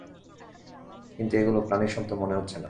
কিন্তু এগুলো প্রাণির শব্দ মনে হচ্ছেনা।